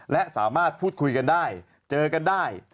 และสามารถพูดคุยกันได้เจอกันได้